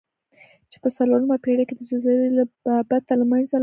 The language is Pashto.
چې په څلورمه پېړۍ کې د زلزلې له بابته له منځه لاړه.